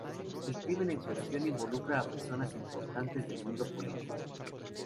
El crimen en cuestión involucra a personas importantes y del mundo político.